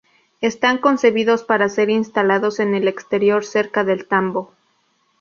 Están concebidos para ser instalados en el exterior, cerca del tambo.